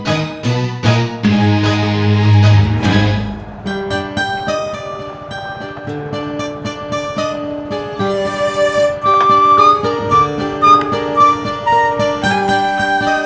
aku bagus tapi gak